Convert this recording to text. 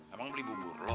emang beli bubur lho